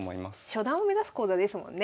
初段を目指す講座ですもんね。